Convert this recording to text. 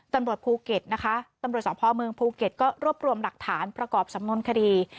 ตำรวจภูเก็ตนะคะตำรวจสภเมืองภูเก็ตก็รวบรวมหลักฐานประกอบสำนวนคดี